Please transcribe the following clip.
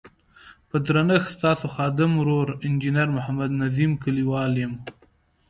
په درنښت ستاسو خادم ورور انجنیر محمد نظیم کلیوال یم.